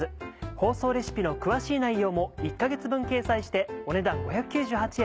放送レシピの詳しい内容も１か月分掲載してお値段５９８円。